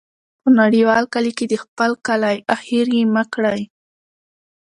په نړیوال کلي کې د خپل کلی ، اخر یې مه کړې.